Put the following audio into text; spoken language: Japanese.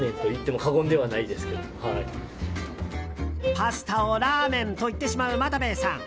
パスタをラーメンと言ってしまう、またべぇさん。